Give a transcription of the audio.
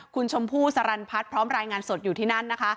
คุณชมพู่สรรพัฒน์พร้อมรายงานสดอยู่ที่นั่นนะคะ